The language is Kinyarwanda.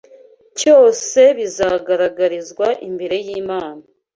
cyose bizagaragarizwa imbere y’Imana